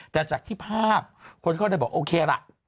แต่จากที่ภาพคนเขาได้บอกโอเคละ